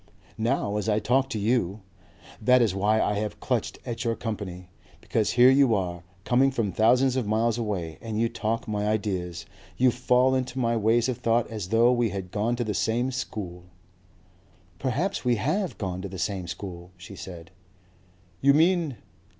Now as I talk to you That is why I have clutched at your company. Because here you are, coming from thousands of miles away, and you talk my ideas, you fall into my ways of thought as though we had gone to the same school." "Perhaps we HAVE gone to the same school," she said. "You mean?"